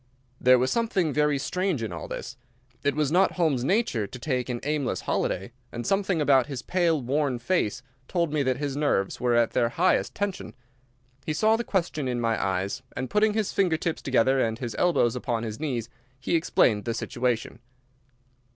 There was something very strange in all this. It was not Holmes's nature to take an aimless holiday, and something about his pale, worn face told me that his nerves were at their highest tension. He saw the question in my eyes, and, putting his finger tips together and his elbows upon his knees, he explained the situation.